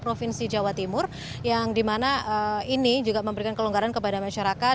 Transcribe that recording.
namun tidak provinsi jawa timur yang di mana ini juga memberikan kelonggaran kepada masyarakat